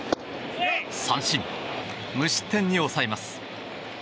無失点に抑えます。